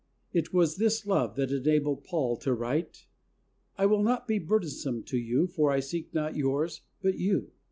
It was this love that enabled Paul to write: "I will not be burdensome to you, for I seek not yours, but you